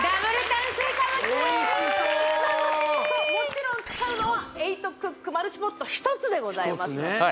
もちろん使うのは８クックマルチポット１つでございます